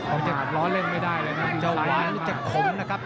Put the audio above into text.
ร้อนเล่นไม่ได้เลยนะผู้ชายอ่ะ